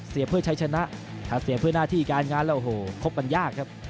เพื่อใช้ชนะถ้าเสียเพื่อหน้าที่การงานแล้วโอ้โหคบกันยากครับ